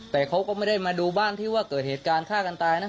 แต่เขาก็ไม่ได้มาดูบ้านที่ว่าเกิดเหตุการณ์ฆ่ากันตายนะ